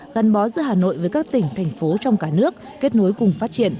gắn bó giữa hà nội với các tỉnh thành phố trong cả nước kết nối cùng phát triển